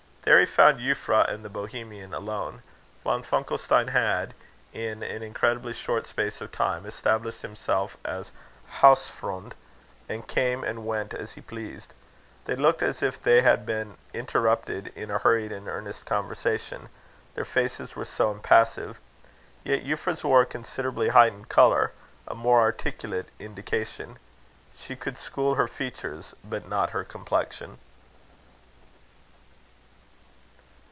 There he found Euphra and the Bohemian alone. Von Funkelstein had, in an incredibly short space of time, established himself as Hausfreund, and came and went as he pleased. They looked as if they had been interrupted in a hurried and earnest conversation their faces were so impassive. Yet Euphra's wore a considerably heightened colour a more articulate indication. She could school her features, but not her complexion.